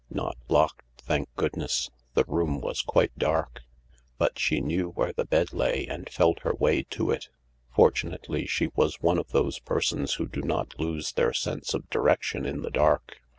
Not locked, thank goodness I The room was quite dark, but she knew where the bed lay and felt her way to it. Fortunately she was one of those persons who do not lose their sense of direction in the dark.